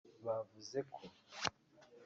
bavuze ko